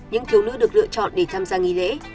những thiếu nữ được lựa chọn để tham gia nghi lễ